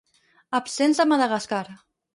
Absents de Madagascar.